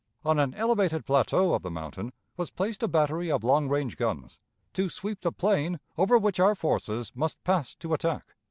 On an elevated plateau of the mountain was placed a battery of long range guns to sweep the plain over which our forces must pass to attack.